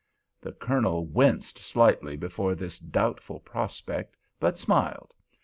The Colonel winced slightly before this doubtful prospect, but smiled.